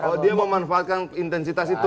oh dia mau manfaatkan intensitas itu